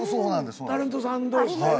タレントさん同士でね。